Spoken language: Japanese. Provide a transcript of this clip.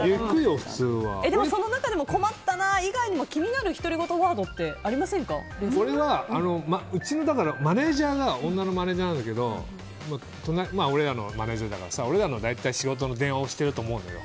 その中でも困ったな以外に気になる独り言ワードはうちのマネジャーが女のマネジャーなんだけど俺らのマネジャーだから大体、俺らの仕事の電話をしてると思うのよ。